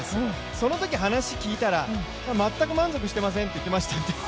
そのとき話聞いたら、全く満足してませんって言ってましたんで。